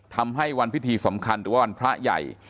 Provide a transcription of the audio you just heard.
ทำให้วันพิธีสำคัญหรือว่าวันพระใหญ่